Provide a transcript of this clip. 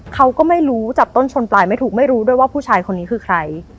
เขาก็ไม่รู้จับต้นชนปลายไม่ถูกไม่รู้ด้วยว่าผู้ชายคนนี้คือใคร